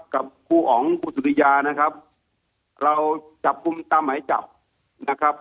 กับครูอ๋องครูสุริยานะครับเราจับกลุ่มตามหมายจับนะครับ